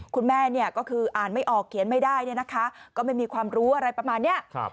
คุณแม่เนี่ยก็คืออ่านไม่ออกเขียนไม่ได้เนี่ยนะคะก็ไม่มีความรู้อะไรประมาณนี้